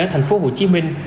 ở thành phố hồ chí minh